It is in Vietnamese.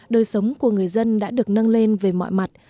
đời sống của người dân đã được nâng lên về mọi mặt